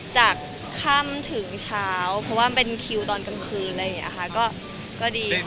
จากค่ำถึงเช้าเพราะว่ามันเป็นคิวตอนกลางคืนเลยนะคะก็ดีค่ะ